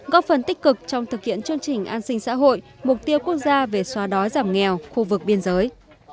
góp phần tích cực trong thực hiện chương trình an sinh xã hội mục tiêu quốc gia về xóa đói giảm nghèo khu vực biên giới